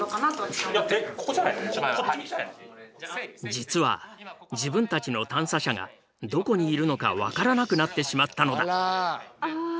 実は自分たちの探査車がどこにいるのか分からなくなってしまったのだ。